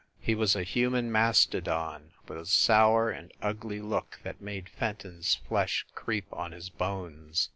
He was a human masto don, with a sour and ugly look that made Fenton s flesh creep on his bones.